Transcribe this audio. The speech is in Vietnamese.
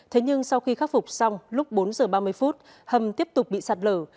thế nhưng sau khi khắc phục xong lúc bốn giờ ba mươi phút hầm tiếp tục bị sạt lở